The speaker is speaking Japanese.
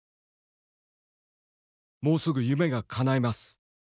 「もうすぐ夢がかないます。